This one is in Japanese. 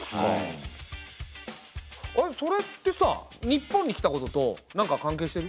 あれそれってさ日本に来たこととなんか関係してる？